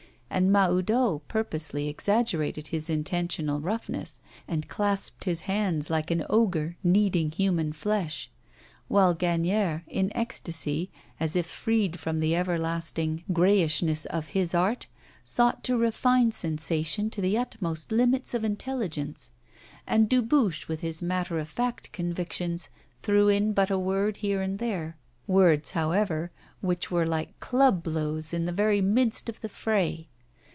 And Mahoudeau purposely exaggerated his intentional roughness, and clasped his hands like an ogre kneading human flesh; while Gagnière, in ecstasy, as if freed from the everlasting greyishness of his art, sought to refine sensation to the utmost limits of intelligence; and Dubuche, with his matter of fact convictions, threw in but a word here and there; words, however, which were like club blows in the very midst of the fray.